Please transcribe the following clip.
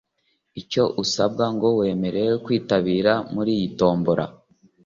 Icyo wasabwaga ngo wemererwe kwitabira muri iyi tombola